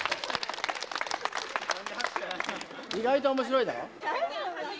意外と面白いだろ？